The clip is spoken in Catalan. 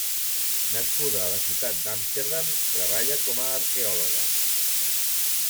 Nascuda a la ciutat d'Amsterdam, treballa com a arqueòloga.